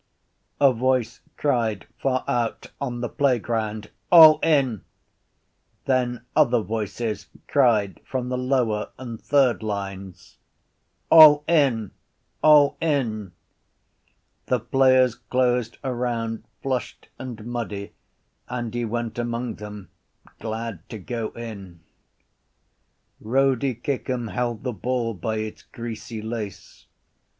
A voice cried far out on the playground: —All in! Then other voices cried from the lower and third lines: —All in! All in! The players closed around, flushed and muddy, and he went among them, glad to go in. Rody Kickham held the ball by its greasy lace.